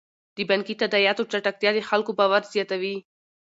د بانکي تادیاتو چټکتیا د خلکو باور زیاتوي.